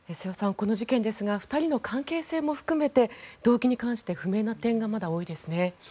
この事件ですが２人の関係性も含めて動機に関して不明な点がまだ多いですね。